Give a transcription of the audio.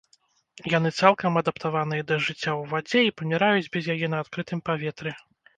Яны цалкам адаптаваныя да жыцця ў вадзе і паміраюць без яе на адкрытым паветры.